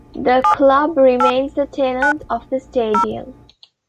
The club remains a tenant of the stadium.